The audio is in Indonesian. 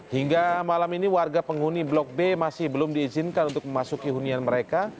hingga malam ini warga penghuni blok b masih belum diizinkan untuk memasuki hunian mereka